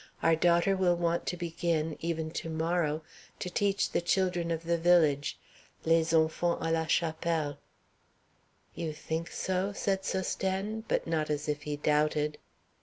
Our daughter will want to begin, even to morrow, to teach the children of the village les zonfants à la chapelle." "You think so?" said Sosthène, but not as if he doubted.